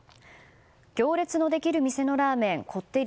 行列のできるラーメン店こってり